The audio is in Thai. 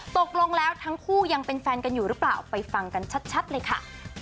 ตกลงแล้วทั้งคู่ยังเป็นแฟนกันอยู่หรือเปล่าไปฟังกันชัดเลยค่ะ